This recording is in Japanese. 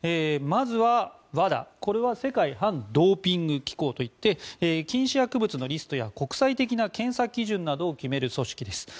まずはＷＡＤＡは世界反ドーピング機構といって禁止薬物のリストや国際的な検査基準などを決める組織です。